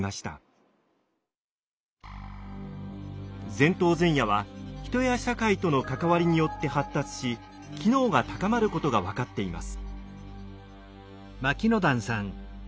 前頭前野は人や社会との関わりによって発達し機能が高まることが分かっています。